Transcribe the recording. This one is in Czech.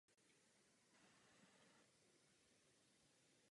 Ve všech případech se jedná o veřejné závazky.